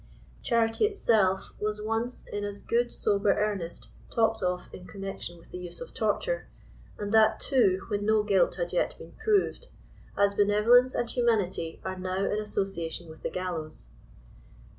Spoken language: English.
Charity itself was once in as good sober earnest talked of in con nection with the use of torture, and that too when no guilt had yet been proved, as benevolence and humanity are now in association with the gallows.